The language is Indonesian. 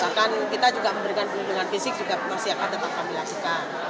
bahkan kita juga memberikan perlindungan fisik juga pemersiapkan tentang apa yang dilakukan